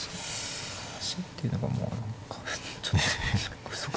端っていうのがもう何かちょっとうそくさいかな。